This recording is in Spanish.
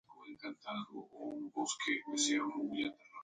Tiene una raíz de color marrón gris de sabor picante.